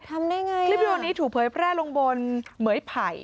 ทำได้ไงน่ะคลิปนี้วันนี้ถูกเผยแพร่ลงบนเมย์ไผ่